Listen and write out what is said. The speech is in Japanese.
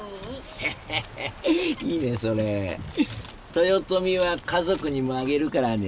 豊臣は家族にもあげるからね。